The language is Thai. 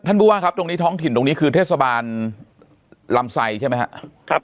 ผู้ว่าครับตรงนี้ท้องถิ่นตรงนี้คือเทศบาลลำไซใช่ไหมครับ